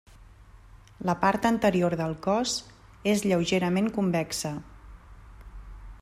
La part anterior del cos és lleugerament convexa.